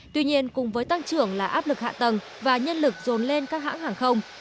tuy nhiên cùng với tăng trưởng là áp lực hạ tầng và nhân lực dồn lên các hãng hàng không